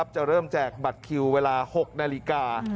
จะเริ่มแจกบัตรคิวเวลา๖นาฬิกา